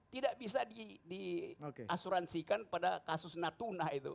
tidak bisa di asuransikan pada kasus natuna itu